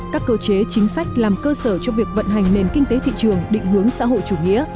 các cơ chế chính sách làm cơ sở cho việc vận hành nền kinh tế thị trường định hướng xã hội chủ nghĩa